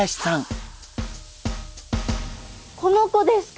この子ですか。